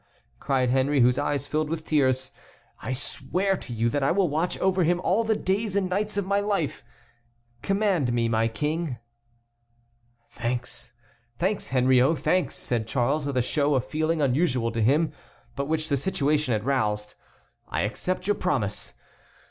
cried Henry, whose eyes filled with tears, "I swear to you that I will watch over him all the days and nights of my life. Command me, my King." "Thanks, Henriot, thanks!" said Charles, with a show of feeling unusual in him, but which the situation had roused, "I accept your promise.